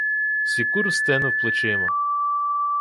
Сікур стенув плечима.